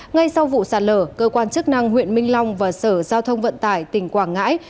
ngay sau vụ sạt lở cơ quan chức năng huyện minh long và sở giao thông vận tải tỉnh quảng ngãi